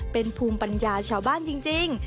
เป็นภูมิปัญญาชาวบ้านจริง